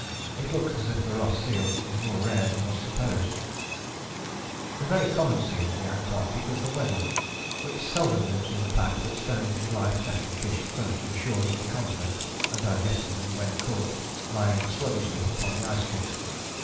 It looks as if the Ross seal is more rare than was supposed. [Illustration: A SEA LEOPARD] [Illustration: A WEDDELL SEAL] The very common seal of the Antarctic is the Weddell, which seldom lives in the pack but spends its life catching fish close to the shores of the continent, and digesting them, when caught, lying sluggishly upon the ice foot.